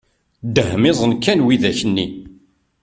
Dehmiẓen kan widak nni!